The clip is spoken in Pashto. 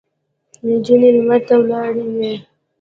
نجونې لمر ته ولاړې وې.